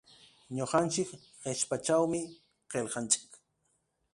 Nuqantsik qichpachawmi qillqantsik.